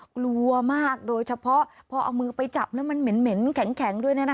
กลัวมากโดยเฉพาะพอเอามือไปจับแล้วมันเหม็นแข็งด้วย